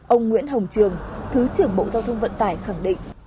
ông nguyễn hồng trường thứ trưởng bộ giao thông vận tải khẳng định